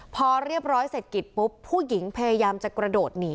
พอเรียบร้อยเสร็จกิจปุ๊บผู้หญิงพยายามจะกระโดดหนี